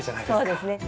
そうですね。